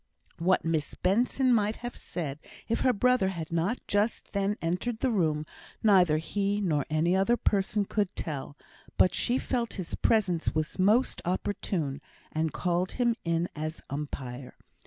What Miss Benson might have said if her brother had not just then entered the room, neither he nor any other person could tell; but she felt his presence was most opportune, and called him in as umpire.